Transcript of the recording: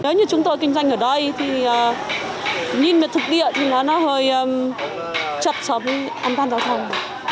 nếu như chúng tôi kinh doanh ở đây thì nhìn về thực địa thì nó hơi chật sống an toàn giao thông